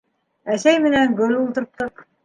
Әсәй менән гөл ултырттыҡ